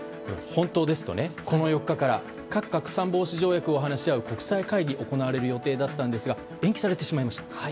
本当ですとこの４日から核拡散防止条約を話し合う国際会議が行われる予定だったんですが延期されてしまいました。